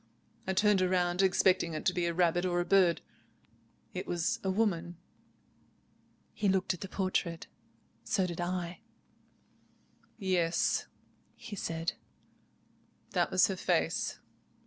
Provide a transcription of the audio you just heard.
I turned round, expecting it to be a rabbit or a bird. It was a woman." He looked at the portrait. So did I. "Yes," he said, "that was her very face.